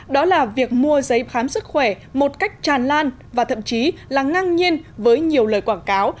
đó là việc mua giấy khám sức khỏe một cách tràn lan và thậm chí là ngang nhiên với nhiều lời quảng cáo